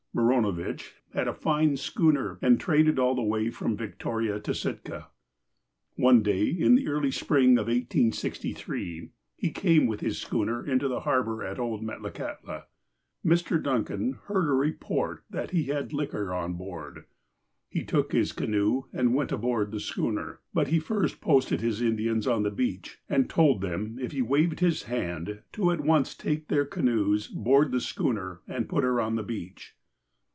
Baranovitch had a fine schooner, and traded all the way from Victoria to Sitka. One day, in the early spring of 1863, he came with this schooner into the harbour at old Metlakahtla. Mr. Dun can heard a report that he had liquor on board. He took his canoe, and went aboard the schooner. But he first posted his Indians on the beach, and told them if he waved his hand to at once take their canoes, board the schooner, and put her on the beach.